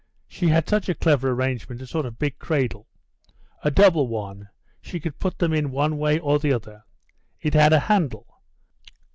She had such a clever arrangement, a sort of big cradle a double one she could put them in one way or the other. It had a handle.